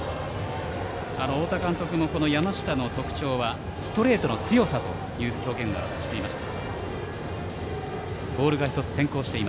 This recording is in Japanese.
太田監督も山下の特徴はストレートの強さだという表現をしていました。